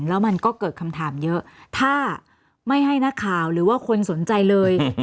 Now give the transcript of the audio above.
แล้วมันก็เกิดคำถามเยอะถ้าไม่ให้นักข่าวหรือว่าคนสนใจเลย